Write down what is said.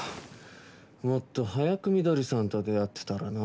もっと早く翠さんと出会ってたらな。